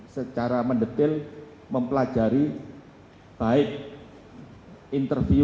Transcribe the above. setelah penjelasan seberang operasi dalam baterai